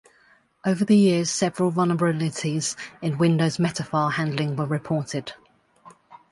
Over the years several vulnerabilities in Windows Metafile handling were reported.